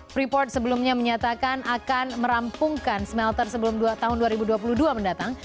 freeport sebelumnya menyatakan akan merampungkan smelter sebelum tahun dua ribu dua puluh dua mendatang